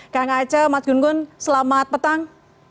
kang aceh mas gun gun selamat petang